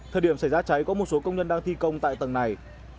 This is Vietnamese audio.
thời điểm xảy ra cháy có một số công nhân đang thi công tại tầng này